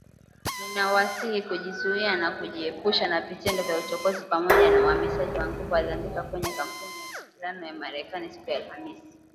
Ninawasihi kujizuia na kujiepusha na vitendo vya uchokozi, pamoja na uhamasishaji wa nguvu aliandika kwenye Kampuni ya mawasiliano ya Marekani siku ya Alhamis